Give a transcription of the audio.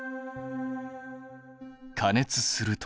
加熱すると。